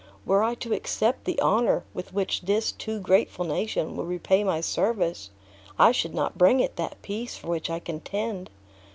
Were I to accept the honor with which this too grateful nation would repay my service, I should not bring it that peace for which I contend.